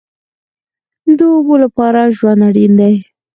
د اوبو لپاره ژوند اړین دی